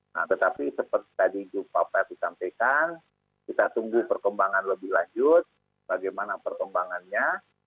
nah tetapi seperti tadi jumpa perfi sampaikan kita tunggu perkembangan lebih lanjut bagaimana perkembangannya